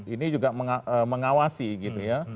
ini juga mengawasi gitu ya